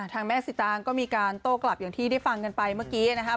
แม่สิตางก็มีการโต้กลับอย่างที่ได้ฟังกันไปเมื่อกี้นะครับ